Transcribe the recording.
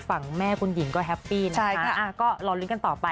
ฝั่งแม่คุณหญิงก็แฮปปี้นะคะ